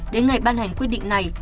đến ngày ban hành quyết định này